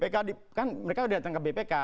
kan mereka sudah datang ke bpk